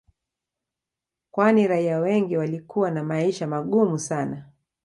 Kwani raia wengi walikuwa na maisha magumu sana